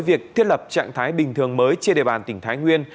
việc thiết lập trạng thái bình thường mới trên địa bàn tỉnh thái nguyên